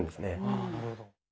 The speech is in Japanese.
あなるほど。